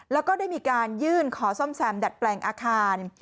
แล้วก็ได้มีการยื่นขอซ่อมแซมดัดแปลงอาคาร